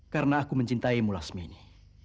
karena aku mencintaimu lasmini